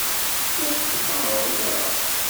La t-teqqareḍ, naɣ?